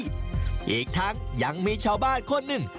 อีกทั้งยังมีชาวบ้านคนหนึ่ง